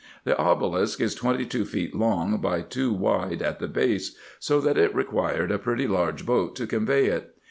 The obelisk is twenty two feet long, by two wide at the base ; so that it required a pretty large boat to convey it.